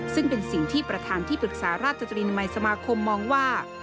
ซึ่งเป็นสิ่งที่ประธานที่ปรึกษาราชตรีนมัยสมาคมมองว่า